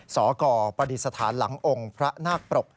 สกประดิษฐานหลังองค์พระนาคปรก